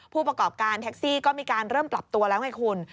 ผู้ประกอบการแท็กซี่ก็มีการเริ่มปรับตัวแล้วไงคุณ